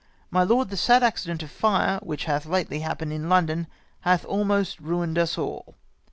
" My lord, the sad accident of fire which hath lately hap pened in London hath almost ruined us all.